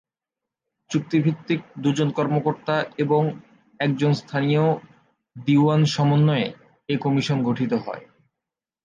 চুক্তিভিত্তিক দুজন কর্মকর্তা এবং একজন স্থানীয় দীউয়ান সমন্বয়ে এ কমিশন গঠিত হয়।